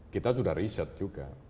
kita sudah riset juga